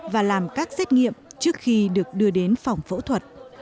và làm các xét nghiệm trước khi được đưa đến phòng phẫu thuật